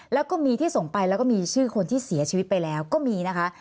แล้วก็มีที่ส่งไปแล้วก็มีชื่อคนที่เสียชีวิตไปแล้วก็มีนะคะ